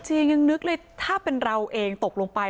ยังนึกเลยถ้าเป็นเราเองตกลงไป